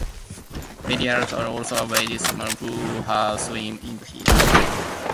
Medals are also awarded to swimmers who have swum in heats.